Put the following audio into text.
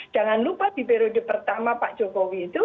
jangan lupa di periode pertama pak jokowi itu